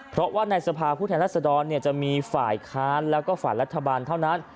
เพราะว่าในสภาพผู้แทนรัศดรจะมีฝ่ายค้านแล้วก็ฝ่ายรัฐบาลเท่านั้น